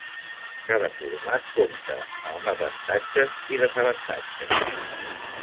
Cada format compta amb avantatges i desavantatges.